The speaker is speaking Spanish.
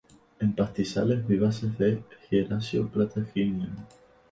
En pastizales vivaces de "Hieracio-Plantaginion".